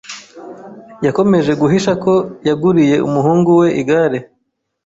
Yakomeje guhisha ko yaguriye umuhungu we igare.